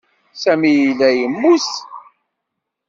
Sami yella yemmut.